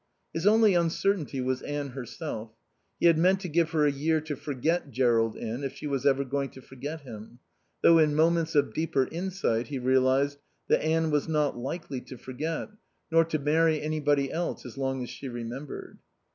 His only uncertainty was Anne herself. He had meant to give her a year to forget Jerrold in, if she was ever going to forget him; though in moments of deeper insight he realized that Anne was not likely to forget, nor to marry anybody else as long as she remembered.